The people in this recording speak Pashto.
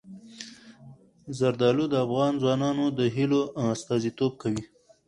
زردالو د افغان ځوانانو د هیلو استازیتوب کوي.